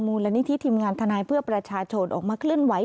มูลนิธิทีมงานทนายเพื่อประชาชนออกมาเคลื่อนไหว